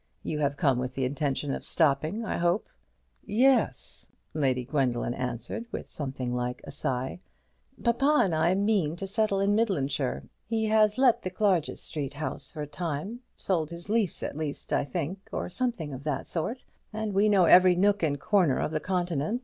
"You have come with the intention of stopping, I hope." "Yes," Lady Gwendoline answered, with something like a sigh; "papa and I mean to settle in Midlandshire; he has let the Clarges Street house for a time; sold his lease, at least, I think; or something of that sort. And we know every nook and corner of the Continent.